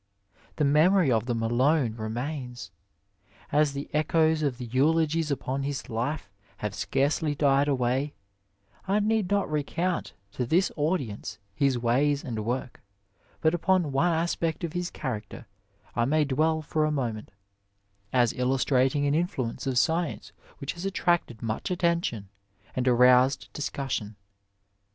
The memory of them alone re mains. As the echoes of the eulogies upon his life have scarcely died away, I need not recount to this audience his ways and work, but upon one aspect of his character I may dwell for a moment, as illustrating an influence of science which has attracted much attention and aroused discussion.